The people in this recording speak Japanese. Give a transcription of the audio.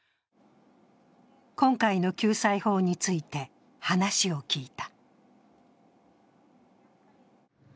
今回の救済法について話を聞いた。